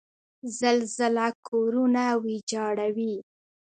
زلزله کورونه ویجاړوي.